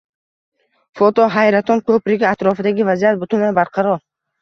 Foto: Hayraton ko‘prigi atrofidagi vaziyat butunlay barqaror